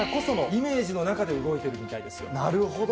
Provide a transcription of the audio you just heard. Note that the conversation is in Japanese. イメージの中で動いてるみたなるほど。